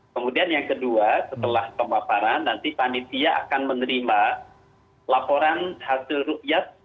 kemudian yang kedua setelah pemaparan nanti panitia akan menerima laporan hasil rukyat